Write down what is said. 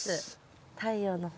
太陽の方。